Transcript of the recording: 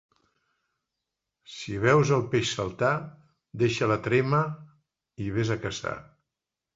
Si veus el peix saltar, deixa la trema i ves a caçar.